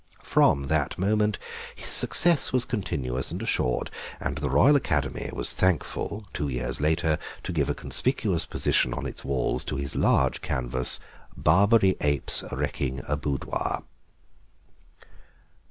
From that moment his success was continuous and assured, and the Royal Academy was thankful, two years later, to give a conspicuous position on its walls to his large canvas "Barbary Apes Wrecking a Boudoir."